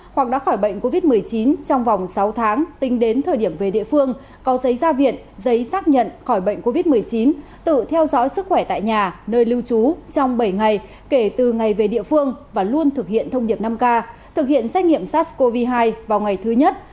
hoặc đã khỏi bệnh covid một mươi chín trong vòng sáu tháng tính đến thời điểm về địa phương có giấy gia viện giấy xác nhận khỏi bệnh covid một mươi chín tự theo dõi sức khỏe tại nhà nơi lưu trú trong bảy ngày kể từ ngày về địa phương và luôn thực hiện thông điệp năm k thực hiện xét nghiệm sars cov hai vào ngày thứ nhất